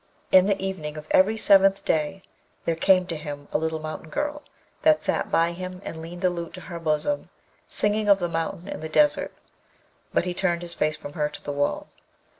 In the evening of every seventh day there came to him a little mountain girl, that sat by him and leaned a lute to her bosom, singing of the mountain and the desert, but he turned his face from her to the wall.